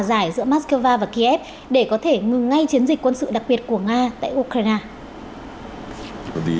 giải giữa moscow và kiev để có thể ngừng ngay chiến dịch quân sự đặc biệt của nga tại ukraine